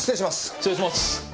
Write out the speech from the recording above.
失礼します。